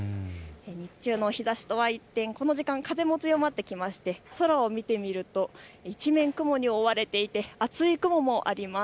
日中の日ざしとは一転、この時間風も強まってきまして、空を見てみると一面、雲に覆われていて厚い雲もあります。